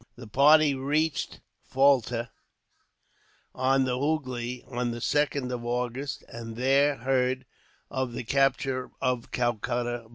The party reached Falta, on the Hoogly, on the 2nd of August, and there heard of the capture of Calcutta.